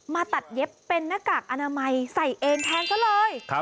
มาตัดเย็บเป็นหน้ากากอนามัยใส่เองแทนซะเลย